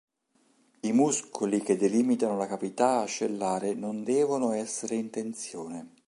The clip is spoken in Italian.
I muscoli che delimitano la cavità ascellare non devono essere in tensione.